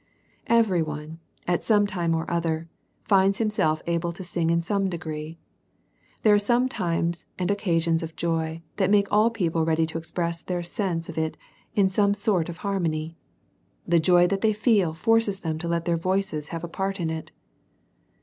Every one at some time or other finds himself able to sing in some degree ; there are some times and occasions of joy that make all people ready to express their sense of it in some sort of harmony. The joy that they feel forces them to let their voices have a part in it.